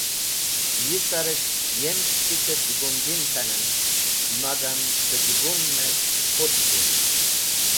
Yisarẽs̃h yem s̃hetikẽr jẽgundin k̃hanẽn, magam pẽ jẽgunnes̃h putẽ din.